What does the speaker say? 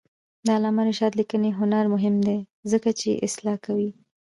د علامه رشاد لیکنی هنر مهم دی ځکه چې اصلاح کوي.